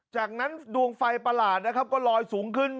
จากนั้นดวงไฟประหลาดนะครับก็ลอยสูงขึ้น